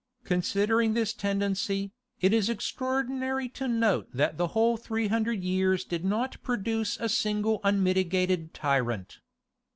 Considering this tendency, it is extraordinary to note that the whole three hundred years did not produce a single unmitigated tyrant.